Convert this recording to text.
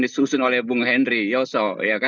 disusun oleh bung henry yoso